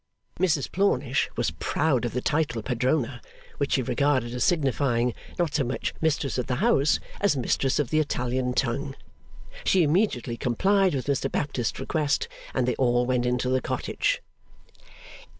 Mrs Plornish was proud of the title Padrona, which she regarded as signifying: not so much Mistress of the house, as Mistress of the Italian tongue. She immediately complied with Mr Baptist's request, and they all went into the cottage.